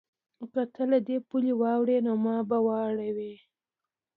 که ته له دې پولې واوړې نو ما به واورې؟